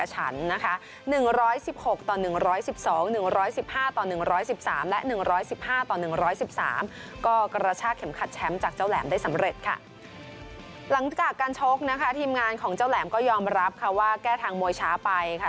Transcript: หลังจากการชกนะคะทีมงานของเจ้าแหลมก็ยอมรับค่ะว่าแก้ทางมวยช้าไปค่ะ